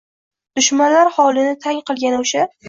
Dushmanlar holini tang qilgan o’sha